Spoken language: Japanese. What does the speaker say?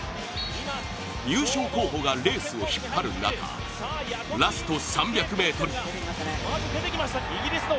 優勝候補がレースを引っ張る中ラスト３００ｍ。